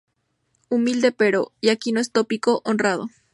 Humilde pero -y aquí no es tópico- honrado.